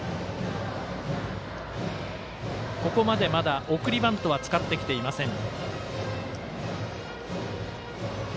ここまでまだ送りバントは使ってきていません。